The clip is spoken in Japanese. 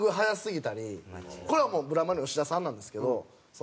これはブラマヨの吉田さんなんですけど。